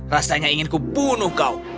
rasanya ingin kubunuh kau